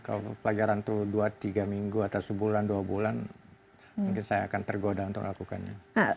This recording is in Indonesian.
kalau pelajaran itu dua tiga minggu atau sebulan dua bulan mungkin saya akan tergoda untuk lakukannya